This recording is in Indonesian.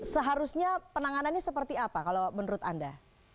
seharusnya penanganannya seperti apa kalau menurut anda